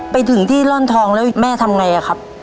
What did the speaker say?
ไปถึงที่ร่อนทองแล้วแม่ทำไงอะครับ